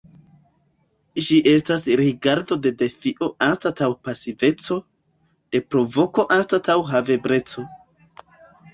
Ĝi estas rigardo de defio anstataŭ pasiveco, de provoko anstataŭ havebleco.